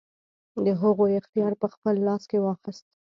د هغو اختیار په خپل لاس کې واخیست.